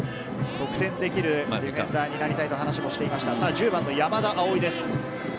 得点できるディフェンダーになりたいと話をしていました１０番の山田蒼です。